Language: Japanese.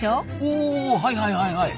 おはいはいはいはい。